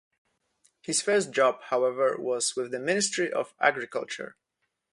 His first job, however, was with the Ministry of Agriculture.